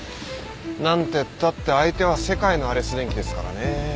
何てったって相手は世界のアレス電機ですからね。